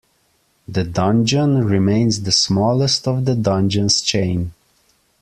The Dungeon remains the smallest of the dungeons chain.